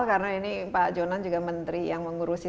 karena ini pak jonan juga menteri yang mengurusi